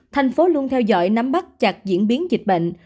thành phố luôn theo dõi nắm bắt chặt diễn biến dịch bệnh